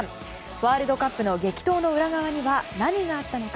ワールドカップの激闘の裏側には何があったのか。